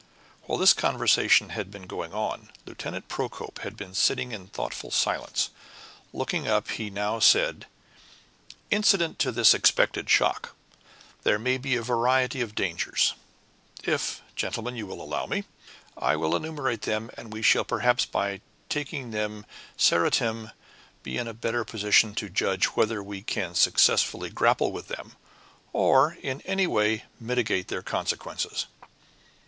While this conversation had been going on, Lieutenant Procope had been sitting in thoughtful silence. Looking up, he now said, "Incident to this expected shock, there may be a variety of dangers. If, gentlemen, you will allow me, I will enumerate them; and we shall, perhaps, by taking them seriatim, be in a better position to judge whether we can successfully grapple with them, or in any way mitigate their consequences."